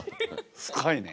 深いね。